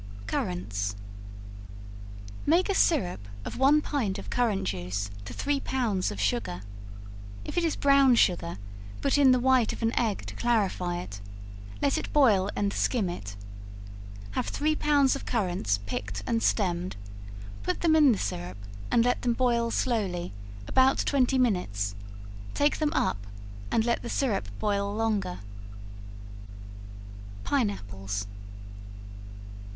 Currants. Make a syrup of one pint of currant juice to three pounds of sugar; if it is brown sugar, put in the white of an egg to clarify it; let it boil and skim it; have three pounds of currants picked and stemmed; put them in the syrup, and let them boil slowly, about twenty minutes; take them up and let the syrup boil longer. Pine Apples.